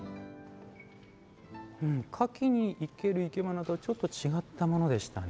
花器に生けるいけばなとちょっと違ったものでしたね。